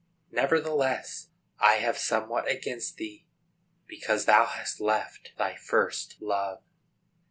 Nevertheless, I have somewhat against thee, because thou hast left thy first love."